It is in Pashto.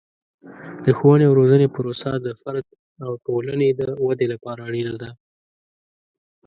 د ښوونې او روزنې پروسه د فرد او ټولنې د ودې لپاره اړینه ده.